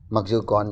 mặc dù còn